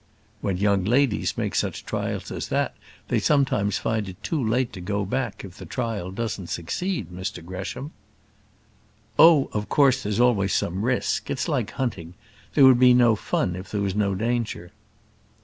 "When young ladies make such trials as that, they sometimes find it too late to go back if the trial doesn't succeed, Mr Gresham." "Oh, of course there's always some risk. It's like hunting; there would be no fun if there was no danger."